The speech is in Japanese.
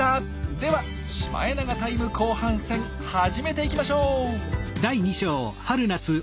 ではシマエナガタイム後半戦始めていきましょう！